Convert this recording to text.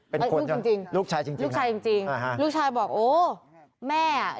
เป็นคนลูกชายจริงจริงลูกชายจริงจริงลูกชายบอกโอ้แม่อ่ะ